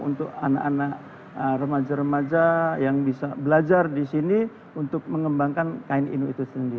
untuk anak anak remaja remaja yang bisa belajar di sini untuk mengembangkan kain inu itu sendiri